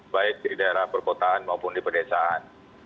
baik di daerah perkotaan maupun di pedesaan